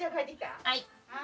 はい。